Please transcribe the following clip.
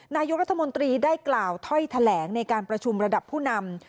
นายกรัฐมนตรีได้กล่าวถ้อยแถลงในการประชุมระดับผู้นำ